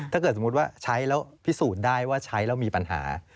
ถ้าเกิดสมมุติว่าใช้แล้วพิสูจน์ได้ว่าใช้แล้วมีปัญหา